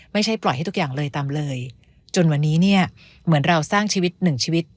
ไม่ใช่ปล่อยให้ทุกอย่างเลยตามเลยจนวันนี้เนี่ยเหมือนเราสร้างชีวิตหนึ่งชีวิต